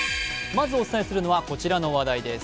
まずお伝えするのはこちらの話題です。